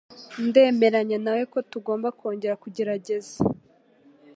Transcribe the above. Ndemeranya nawe ko tugomba kongera kugerageza.